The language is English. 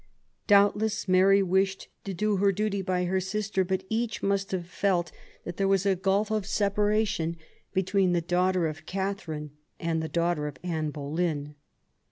Doubtless, Mary wished to do her duty by her sister ; but each must have felt that there was a gulf of separation between the daughter of Catherine and the daughter of Anne Boleyn.